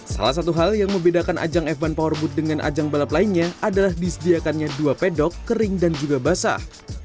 salah satu hal yang membedakan ajang f satu powerboat dengan ajang balap lainnya adalah disediakannya dua pedok kering dan juga basah